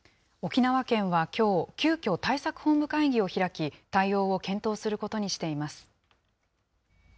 沖縄県はきょう、急きょ、対策本部会議を開き、対応を検討することにしています。